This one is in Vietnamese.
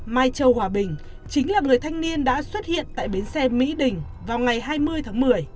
mai châu hòa bình chính là người thanh niên đã xuất hiện tại bến xe mỹ đình vào ngày hai mươi tháng một mươi